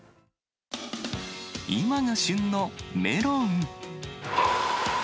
今が旬のメロン。